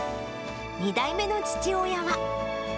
２代目の父親は。